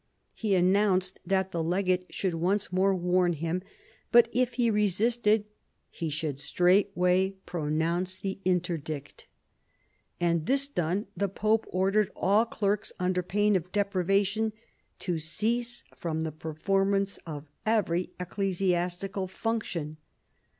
He announced that the legate should once more warn him, but if he resisted he should straightway pronounce the interdict. And this done, the pope ordered all clerks, under pain of deprivation, to cease from the performance of every ecclesiastical function.